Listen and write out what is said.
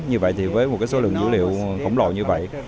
như vậy thì với một số lượng dữ liệu khổng lồ như vậy